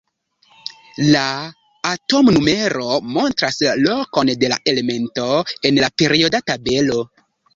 La atomnumero montras la lokon de la elemento en la perioda tabelo.